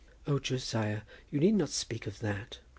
"Oh, Josiah, you need not speak of that."